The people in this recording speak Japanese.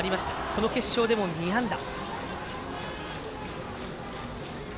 この決勝でも２安打。